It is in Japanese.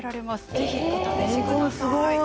ぜひ、お試しください。